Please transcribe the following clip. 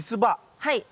はい。